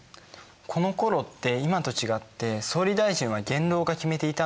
このころって今と違って総理大臣は元老が決めていたんだね。